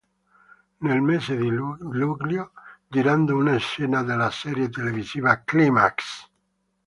Nel mese di luglio, girando una scena della serie televisiva "Climax!